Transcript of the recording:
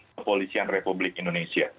kepolisian republik indonesia